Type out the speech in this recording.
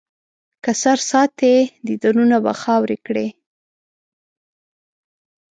که سر ساتې، دیدنونه به خاورې کړي.